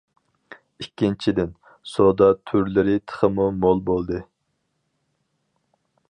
ئىككىنچىدىن، سودا تۈرلىرى تېخىمۇ مول بولدى.